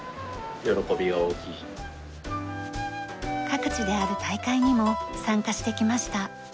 各地である大会にも参加してきました。